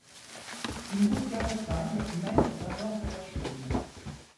Une route carrossable mène aux abords de la chaume.